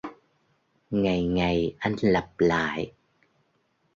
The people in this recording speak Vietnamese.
Ngày ngày anh lặp lại